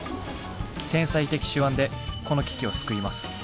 天才的手腕でこの危機を救います。